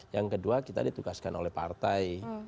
yang kedua kita ditugaskan oleh partai